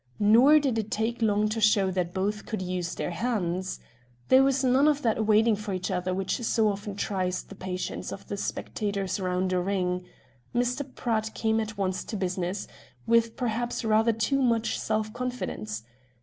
Nor did it take long to show that both could use their hands. There was none of that waiting for each other which so often tries the patience of the spectators round a ring. Mr. Pratt came at once to business; with, perhaps, rather too much self confidence.